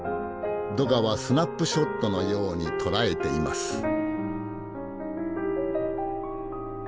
ドガはスナップショットのように捉えています。